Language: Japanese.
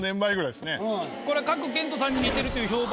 これ賀来賢人さんに似てるという評判。